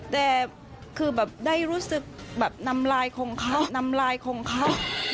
แต่คือแบบได้รู้สึกแบบนำลายของเขา